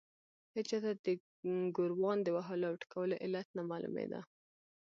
هېچا ته د ګوروان د وهلو او ټکولو علت نه معلومېده.